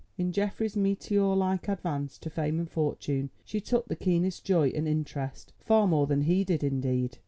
In Geoffrey's meteor like advance to fame and fortune she took the keenest joy and interest, far more than he did indeed.